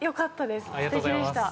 すてきでした。